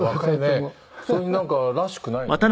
それになんからしくないね。